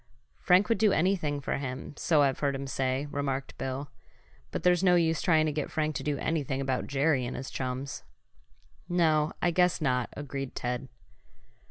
"Frank would do anything for him, so I've heard him say," remarked Bill. "But there's no use trying to get Frank to do anything about Jerry and his chums." "No, I guess not," agreed Ted.